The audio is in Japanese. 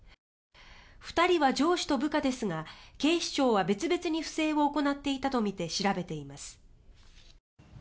２人は上司と部下ですが警視庁は別々に不正を行っていたとみて調べています。